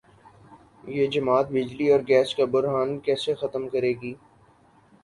یہ جماعت بجلی اور گیس کا بحران کیسے ختم کرے گی؟